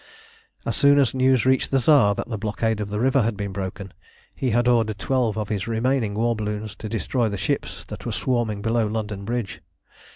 As soon as news reached the Tsar that the blockade of the river had been broken, he had ordered twelve of his remaining war balloons to destroy the ships that were swarming below London Bridge.